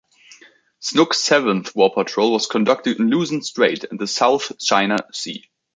"Snook"'s seventh war patrol was conducted in Luzon Strait and the South China Sea.